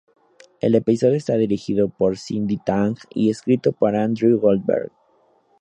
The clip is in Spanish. El episodio está dirigido por Cyndi Tang y escrito por Andrew Goldberg.